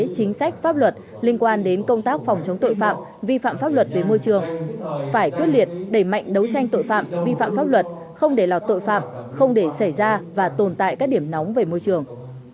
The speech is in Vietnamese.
chính sách pháp luật liên quan đến công tác phòng chống tội phạm vi phạm pháp luật về môi trường phải quyết liệt đẩy mạnh đấu tranh tội phạm vi phạm pháp luật không để lọt tội phạm không để xảy ra và tồn tại các điểm nóng về môi trường